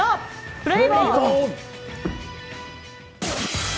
プレイボール！